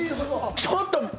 ちょっと！